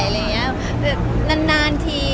อะไรอย่างเงี้ยนานที